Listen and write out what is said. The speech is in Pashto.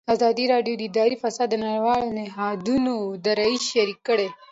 ازادي راډیو د اداري فساد د نړیوالو نهادونو دریځ شریک کړی.